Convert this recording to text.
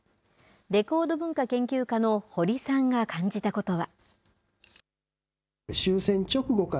レコード文化研究家の保利さんが感じたことは。